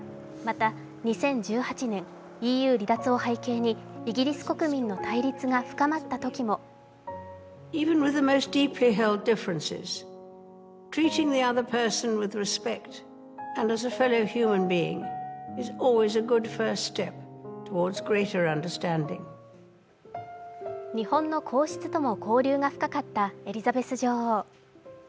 また２０１８年、ＥＵ離脱を背景にイギリス国民の対立が深まったときも日本の皇室とも交流が深かったエリザベス女王。